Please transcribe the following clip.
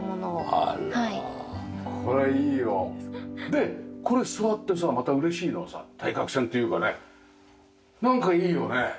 あらこれいいよ。でこれ座ってさまた嬉しいのはさ対角線というかねなんかいいよね。